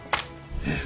ええ。